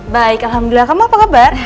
baik alhamdulillah kamu apa kabar